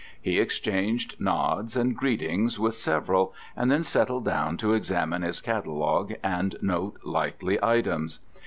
He exchanged nods and greetings with several, and then settled down to examine his catalogue and note likely items.